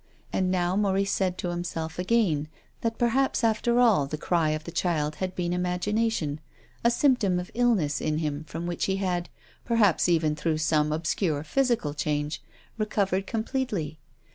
And now Maurice said to himself again that perhaps after all the cry of the child had been imagination, a symptom of illness in him from which he had — perhaps even through some obscure physical change — recovered completely.